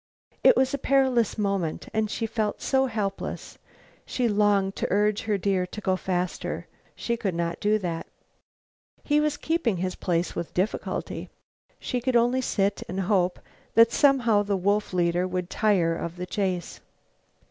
It was a perilous moment, and she felt so helpless. She longed to urge her deer to go faster. She could not do that. He was keeping his place with difficulty. She could only sit and hope that somehow the wolf leader would tire of the chase.